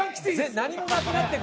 何もなくなってから。